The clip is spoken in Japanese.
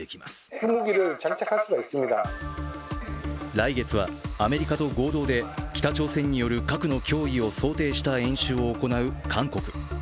来月はアメリカと合同で北朝鮮による核の脅威を想定した演習を行う韓国。